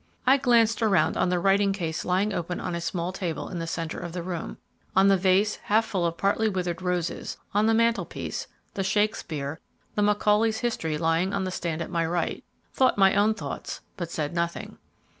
I glanced around on the writing case lying open on a small table in the centre of the room, on the vase half full of partly withered roses, on the mantel piece, the Shakespeare, and Macaulay's History lying on the stand at my right, thought my own thoughts, but said nothing.